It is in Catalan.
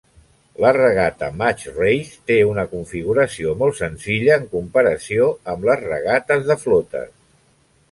La regata Match Race té una configuració molt senzilla en comparació amb les regates de flotes.